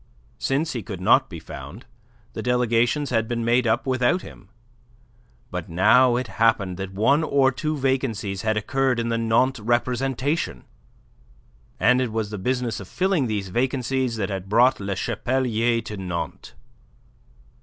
Since he could not be found, the delegations had been made up without him. But now it happened that one or two vacancies had occurred in the Nantes representation; and it was the business of filling these vacancies that had brought Le Chapelier to Nantes.